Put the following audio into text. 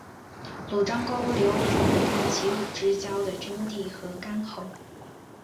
鲁昭公流亡到齐鲁之交的郓地和干侯。